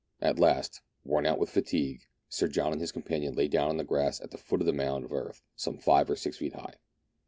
At last, worn out with fatigue, Sir John and his companion lay down on the grass at the foot of a mound of earth some five or six feet high.